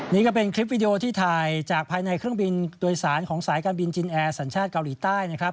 นี่ก็เป็นคลิปวิดีโอที่ถ่ายจากภายในเครื่องบินโดยสารของสายการบินจินแอร์สัญชาติเกาหลีใต้นะครับ